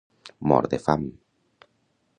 Mort de fam